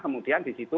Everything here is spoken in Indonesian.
kemudian di situ